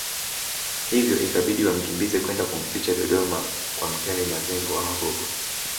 Hivyo ikabidi wamkimbize kwenda kumficha Dodoma kwa Mtemi Mazengo wa Wagogo